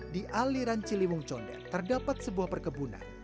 di aliran ciliwung condet terdapat sebuah perkebunan